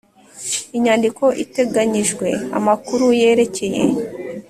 Inyandiko iteganyijwe amakuru yerekeye